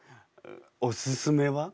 おすすめは？